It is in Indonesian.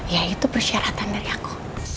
ya itu persyaratan dari aku